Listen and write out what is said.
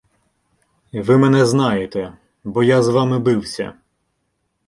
Ви мене знаєте, бо я з вами бився.